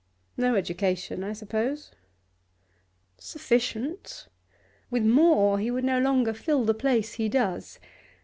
No education, I suppose?' 'Sufficient. With more, he would no longer fill the place he does.